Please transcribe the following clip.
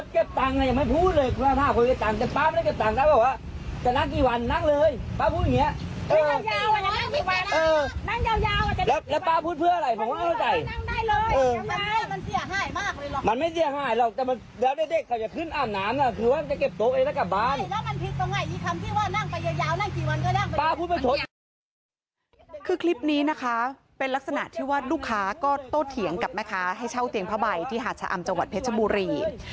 คือคลิปนี้นะคะเป็นลักษณะที่ว่าลูกค้าก็โตเถียงกับแม่ค้าให้เช่าเตียงผ้าใบที่หาดชะอำจังหวัดเพชรบุรี